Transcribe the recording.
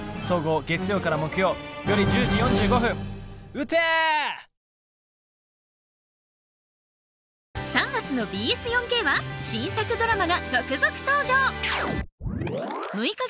撃て！３月のＢＳ４Ｋは新作ドラマが続々登場！